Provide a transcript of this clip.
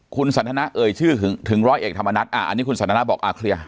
คุณสันทนาเอ่ยชื่อถึงร้อยเอกธรรมนัฐอันนี้คุณสันทนาบอกอ่าเคลียร์